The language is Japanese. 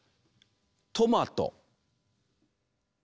トマト。